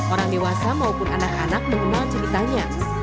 orang dewasa maupun anak anak mengenal ceritanya